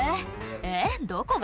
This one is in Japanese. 「えっどこが？